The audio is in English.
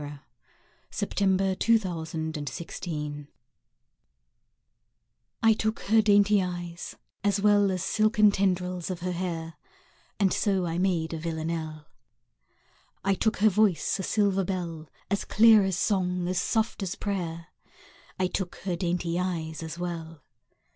VILLANELLE OF HIS LADY'S TREASURES I took her dainty eyes, as well As silken tendrils of her hair: And so I made a Villanelle! I took her voice, a silver bell, As clear as song, as soft as prayer; I took her dainty eyes as well.